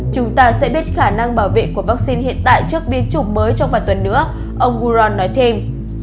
chúng ta sẽ biết khả năng bảo vệ của vaccine hiện tại trước biến chủng mới trong vài tuần nữa ông uran nói thêm